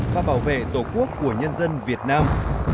và bảo vệ tổ quốc của nhân dân việt nam